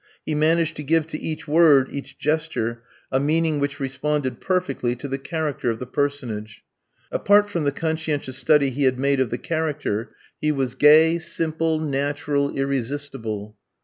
He managed to give to each word, each gesture, a meaning which responded perfectly to the character of the personage. Apart from the conscientious study he had made of the character, he was gay, simple, natural, irresistible.